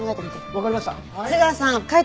わかりました！